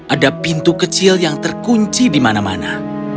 ada pintu kecil yang terkunci di mana mana